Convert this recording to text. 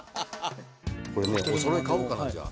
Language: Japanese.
おそろい買おうかなじゃあ。